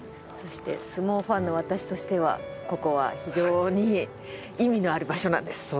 そして相撲ファンの私としてはここは非常に意味のある場所なんです。